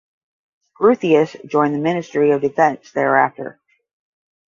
Groothuis joined the Ministry of Defence thereafter.